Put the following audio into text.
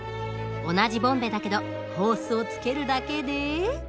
同じボンベだけどホースをつけるだけで。